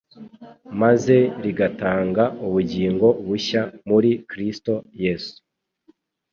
maze rigatanga ubugingo bushya muri Kristo Yesu.